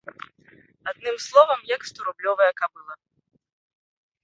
Адным словам, як сторублёвая кабыла.